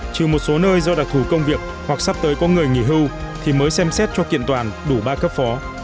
trừ một số nơi do đặc thù công việc hoặc sắp tới có người nghỉ hưu thì mới xem xét cho kiện toàn đủ ba cấp phó